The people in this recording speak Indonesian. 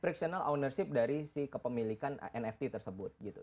perictional ownership dari si kepemilikan nft tersebut gitu